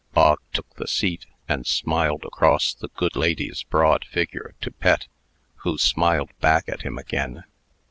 Bog took the seat, and smiled across the good lady's broad figure to Pet, who smiled back at him again.